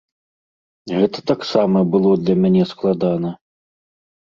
Гэта таксама было для мяне складана.